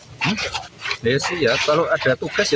wali kata siap tapi gak ada penugasan